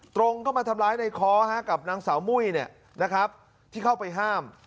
ตรงเข้ามาทำร้ายในค้อกับนางสาวมุ้ยที่เข้าไปห้าม